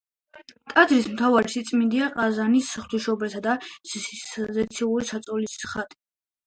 ტაძრის მთავარი სიწმინდეა ყაზანის ღვთისმშობლისა და ზეციური სასწაულის ხატი.